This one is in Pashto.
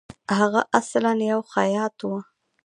هغه اصلاً یو خیاط وو.